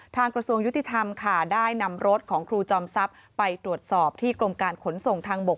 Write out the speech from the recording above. กระทรวงยุติธรรมค่ะได้นำรถของครูจอมทรัพย์ไปตรวจสอบที่กรมการขนส่งทางบก